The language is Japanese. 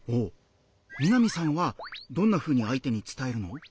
みなみさんはどんなふうに相手に伝えるの？